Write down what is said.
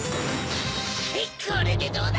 これでどうだ！